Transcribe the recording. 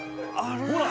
ほら。